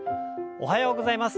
おはようございます。